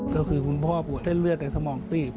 ก็คือคุณพ่อปวดเส้นเลือดในสมองตีบ